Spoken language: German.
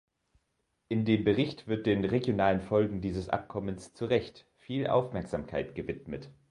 In dem Bericht wird den regionalen Folgen dieses Abkommens zu Recht viel Aufmerksamkeit gewidmet.